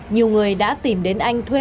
nhiều người đã tìm đến anh thuê